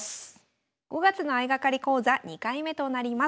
５月の相掛かり講座２回目となります。